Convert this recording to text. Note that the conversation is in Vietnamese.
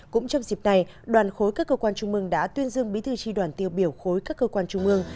cũng trong dịp này đoàn khối các cơ quan trung mương đã tuyên dương bí thư tri đoàn tiêu biểu khối các cơ quan trung mương